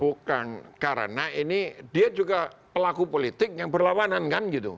bukan karena ini dia juga pelaku politik yang berlawanan kan gitu